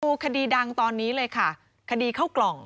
คดีดังตอนนี้เลยค่ะคดีเข้ากล่อง